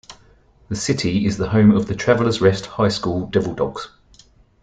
The city is the home of the Travelers Rest High School Devildogs.